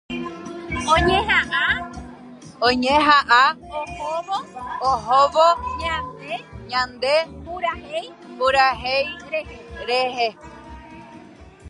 Oñeha'ã ohóvo ñande purahéi rehe.